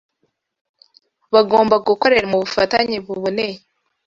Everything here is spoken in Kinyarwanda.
Bagomba gukorera mu bufatanye buboneye.